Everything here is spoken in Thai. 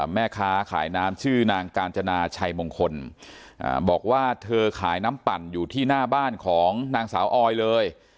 แม่ค้าขายน้ำชื่อนางกาญจนาชัยมงคลบอกว่าเธอขายน้ำปั่นอยู่ที่หน้าบ้านของนางสาวออยเลย